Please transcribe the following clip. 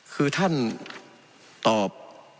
คือท่านตอบ